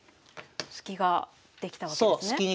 スキができたわけですね。